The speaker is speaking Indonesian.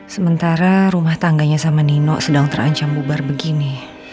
sementara rumah tangganya sama nino sedang terancam bubar begini